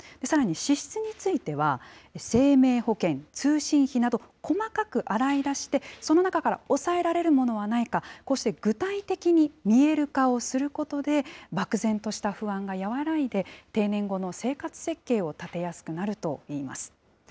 さらに支出については、生命保険、通信費など、細かく洗い出して、その中から抑えられるものはないか、こうして具体的に見える化をすることで、漠然とした不安が和らいで、定年後の生活設計を立てやすくなるといいます。